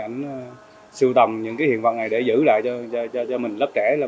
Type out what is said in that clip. ảnh sưu tầm những cái hiện vật này để giữ lại cho mình lớp trẻ là một chút cái kỷ niệm hoài niệm ngày xưa